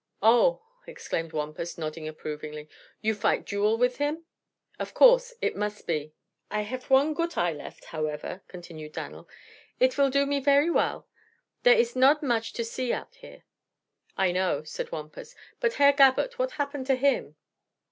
"Oh!" exclaimed Wampus, nodding approvingly "You fight duel with him? Of course. It mus' be." "I haf one goot eye left, howefer," continued Dan'l. "It vill do me fery well. Dere iss nod much to see out here." "I know," said Wampus. "But Herr Gabert. What happen to him?"